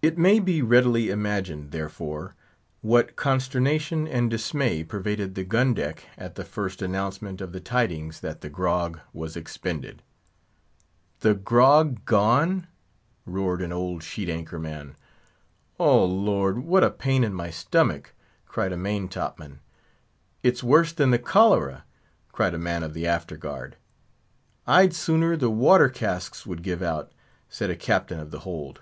It may be readily imagined, therefore, what consternation and dismay pervaded the gun deck at the first announcement of the tidings that the grog was expended. "The grog gone!" roared an old Sheet anchor man. "Oh! Lord! what a pain in my stomach!" cried a Main top man. "It's worse than the cholera!" cried a man of the After guard. "I'd sooner the water casks would give out!" said a Captain of the Hold.